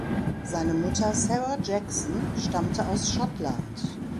Seine Mutter Sarah Jackson stammte aus Schottland.